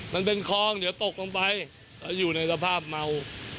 มันเป็นคลองเดี๋ยวตกลงไปแล้วอยู่ในสภาพเมา